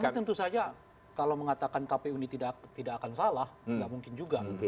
tapi tentu saja kalau mengatakan kpu ini tidak akan salah nggak mungkin juga